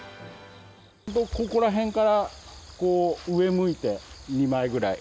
ここら辺からこう、上向いて、２枚ぐらい。